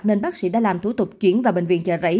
nên bác sĩ đã làm thủ tục chuyển vào bệnh viện chợ rẫy